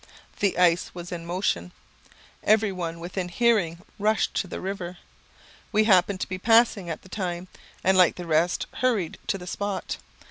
The ice was in motion. Every one within hearing rushed to the river. We happened to be passing at the time, and, like the rest, hurried to the spot.